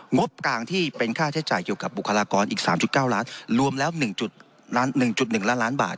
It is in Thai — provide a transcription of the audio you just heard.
งบกลางที่เป็นค่าใช้จ่ายเกี่ยวกับบุคลากรอีก๓๙ล้านรวมแล้ว๑๑ล้านล้านบาท